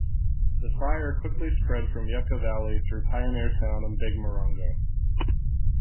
The fire quickly spread from Yucca Valley through Pioneertown and Big Morongo.